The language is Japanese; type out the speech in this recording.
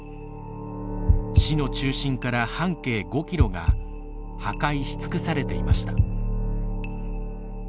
市の中心から半径５キロが破壊し尽くされていました。